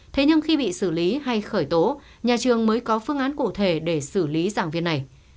thế nhưng khi bị xử lý hay khởi tố nhà trường mới có phương án cụ thể để xử lý giảng viên này